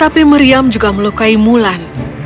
tapi meriam juga melukai mulan